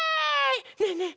ねえねえ